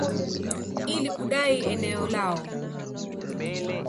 ili kudai eneo lao.